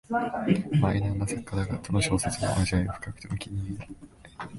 マイナーな作家だが、どの小説も味わい深くてお気に入りだ